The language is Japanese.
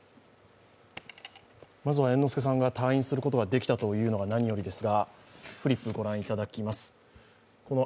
まずは猿之助さんが退院することができたというのが何よりです。